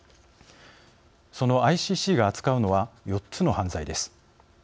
そのＩＣＣが扱うのは４つの犯罪です。